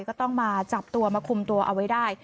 ก็ต้องมาจับตัวมาคุมตัวเอาไว้ได้